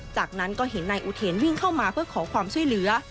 จากนั้นก็เห็นนายอุเทนวิ่งเข้ามาเพื่อขอความช่วยเหลือ